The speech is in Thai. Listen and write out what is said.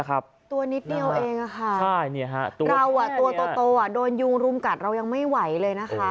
ตัวนิดเดียวเองตัวเราตัวโตโดนยุงรุมกัดเรายังไม่ไหวเลยนะคะ